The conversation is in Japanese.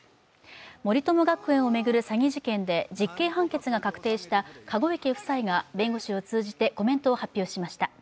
森友学園を巡る詐欺事件で実刑判決が確定した籠池夫妻が弁護士を通じてコメントを発表しました。